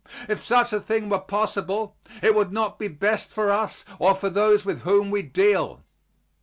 If such a thing were possible it would not be best for us or for those with whom we deal.